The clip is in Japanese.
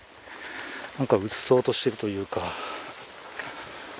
なんかうっそうとしてるというか。